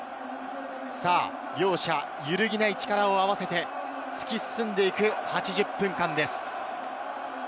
両者揺るぎない力を合わせて突き進んでいく８０分間です。